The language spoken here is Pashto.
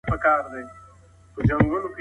د ډېرو ژبو زده کول ستا پوهه زیاتوي.